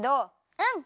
うん。